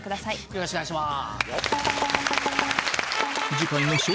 よろしくお願いします。